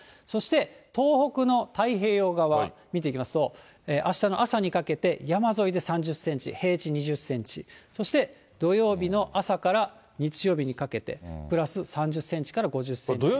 そして東北の太平洋側、見ていきますと、あしたの朝にかけて山沿いで３０センチ、平地２０センチ、そして土曜日の朝から日曜日にかけて、プラス３０センチから５０センチ。